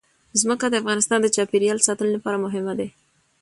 ځمکه د افغانستان د چاپیریال ساتنې لپاره مهم دي.